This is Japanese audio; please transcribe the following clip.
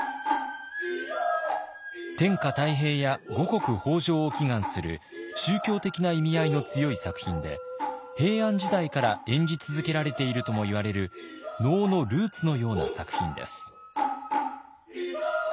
天下太平や五穀豊穣を祈願する宗教的な意味合いの強い作品で平安時代から演じ続けられているともいわれる能のルーツのような作品です。